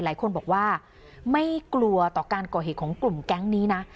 หลายคนบอกว่าไม่กลัวต่อการก่อเหตุของกลุ่มแก๊งนี้นะ